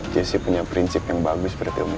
jessy punya prinsip yang bagus berarti om ya